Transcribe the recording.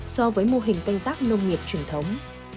so với mô hình canh tác nông nghiệp truyền thống